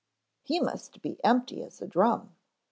"He must be empty as a drum.